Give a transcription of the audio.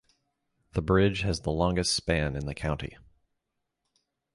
The bridge has the longest span in the county.